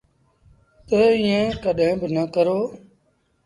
تا ايٚئيٚن ڪڏهيݩ با نا ڪرو۔